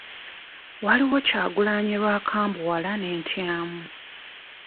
Waliwo Kyagulanyi lw’akambuwala ne ntyamu.